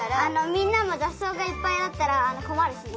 みんなもざっそうがいっぱいあったらこまるしね。